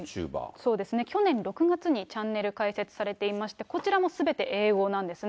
そうですね、去年６月にチャンネル開設されていまして、こちらもすべて英語なんですね。